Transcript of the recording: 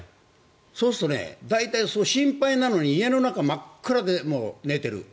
そうするとね大体、心配なのに家の中、真っ暗で寝ている。